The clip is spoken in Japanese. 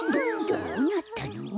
どうなったの？